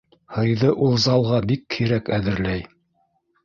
Һыйҙы ул залға бик һирәк әҙерләй.